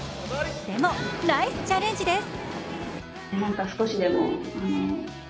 でもナイスチャレンジです。